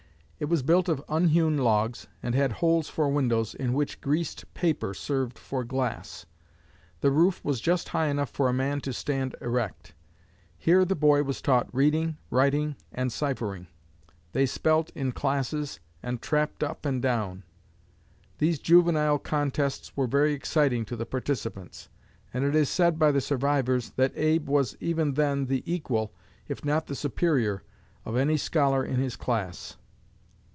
It was built of unhewn logs, and had holes for windows, in which greased paper served for glass. The roof was just high enough for a man to stand erect. Here the boy was taught reading, writing, and ciphering. They spelt in classes, and 'trapped' up and down. These juvenile contests were very exciting to the participants, and it is said by the survivors that Abe was even then the equal, if not the superior, of any scholar in his class.